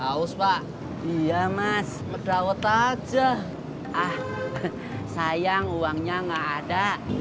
haus pak iya mas pedawet aja ah sayang uangnya nggak ada